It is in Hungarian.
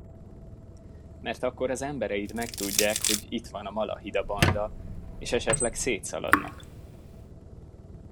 Mert akkor az embereid megtudják, hogy itt van a Malahida-banda, és esetleg szétszaladnak!